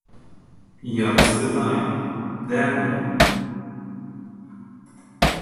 Я вас питаю, де воно?